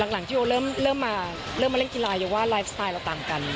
หลังที่โอเริ่มมาเล่นกีฬาโยว่าไลฟ์สไตล์เราต่างกัน